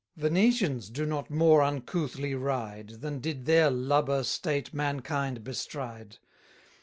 Venetians do not more uncouthly ride, Than did their lubber state mankind bestride.